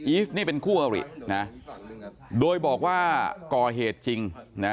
ฟนี่เป็นคู่อรินะโดยบอกว่าก่อเหตุจริงนะ